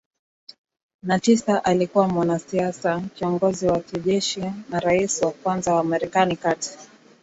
na tisa alikuwa mwanasiasa kiongozi wa kijeshi na rais wa kwanza wa Marekani kati